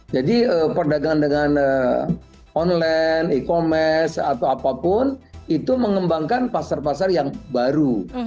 jadi perdagangan dengan online e commerce atau apapun itu mengembangkan pasar pasar yang baru